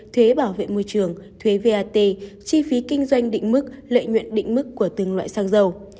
thuế bảo vệ môi trường thuế vat chi phí kinh doanh định mức lợi nhuận định mức của từng loại xăng dầu